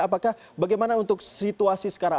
apakah bagaimana untuk situasi sekarang